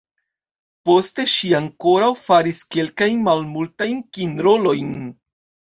Poste ŝi ankoraŭ faris kelkajn malmultajn kinrolojn.